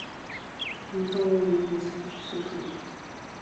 等多部名人辞书。